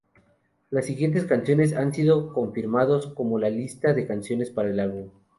Las siguientes canciones han sido confirmados como la lista de canciones para el álbum.